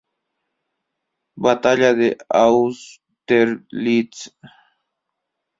Batalla de Austerlitz